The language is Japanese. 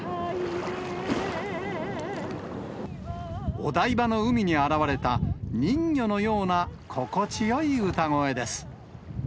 お台場の海に現れた、人魚のような心地よい歌声です。